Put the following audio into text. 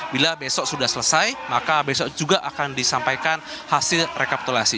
bila besok sudah selesai maka besok juga akan disampaikan hasil rekapitulasi